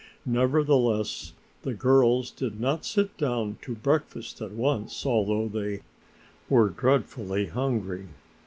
Nevertheless the girls did not sit down to breakfast at once although they were dreadfully hungry.